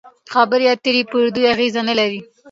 خبرې اترې پر دوی اغېز نلري.